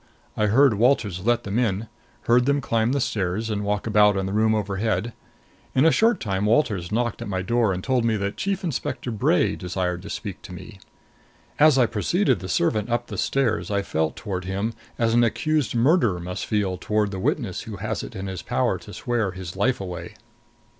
I heard Walters let them in; heard them climb the stairs and walk about in the room overhead. In a short time Walters knocked at my door and told me that Chief Inspector Bray desired to speak to me. As I preceded the servant up the stairs I felt toward him as an accused murderer must feel toward the witness who has it in his power to swear his life away.